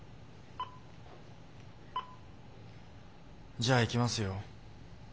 じゃあいきますよ。